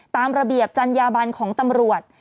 ตามระเบียบจัญญาบันของตำรวจ